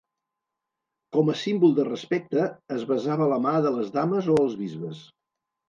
Com a símbol de respecte, es besava la mà de les dames o els bisbes.